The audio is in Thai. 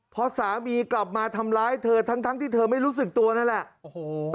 พอสามีกลับมาทำร้ายเธอทั้งทั้งที่เธอไม่รู้สึกตัวนั่นแหละโอ้โห